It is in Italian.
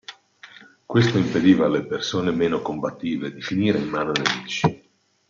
Questo impediva alle persone meno combattive di finire in mano ai nemici.